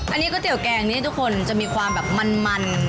อันนี้ก๋วเตี๋ยแกงนี้ทุกคนจะมีความแบบมัน